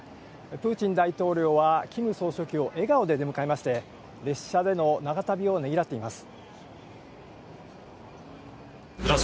プーチン大統領はキム総書記を笑顔で出迎えまして、列車での長旅をねぎらっています。